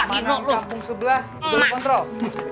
gak amanan kampung sebelah udah lo kontrol